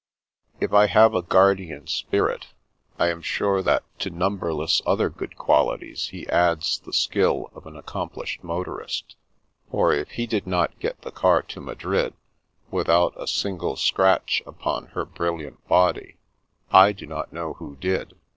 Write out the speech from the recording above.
If I have a guardian spirit, I am sure that to num berless other good qualities he adds the skill of an accomplished motorist ; for if he did not get the car to Madrid, without a single scratch upon her bril liant body, I do not know who did.